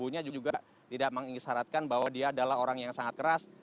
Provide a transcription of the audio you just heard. ibunya juga tidak mengisaratkan bahwa dia adalah orang yang sangat keras